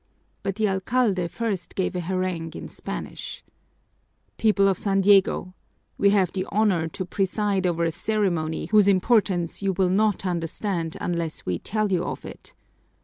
But the alcalde first gave a harangue in Spanish: "People of San Diego! We have the honor to preside over a ceremony whose importance you will not understand unless We tell you of it.